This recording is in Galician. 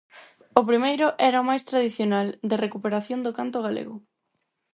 O primeiro era o máis tradicional, de recuperación do canto galego.